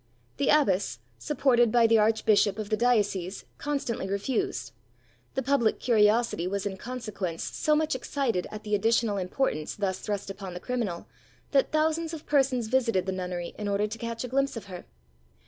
The abbess, supported by the archbishop of the diocese, constantly refused. The public curiosity was in consequence so much excited at the additional importance thus thrust upon the criminal, that thousands of persons visited the nunnery in order to catch a glimpse of her.